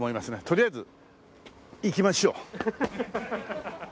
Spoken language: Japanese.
とりあえず行きましょう。